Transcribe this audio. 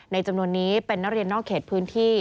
จำนวนนี้เป็นนักเรียนนอกเขตพื้นที่